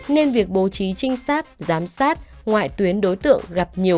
nên việc bố trí trinh sát giám sát ngoại tuyến đối tượng gặp nhiều